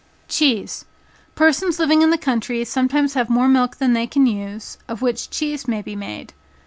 Cheese. Persons living in the country sometimes have more milk than they can use, of which cheese may be made.